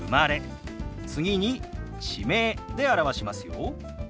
次に地名で表しますよ。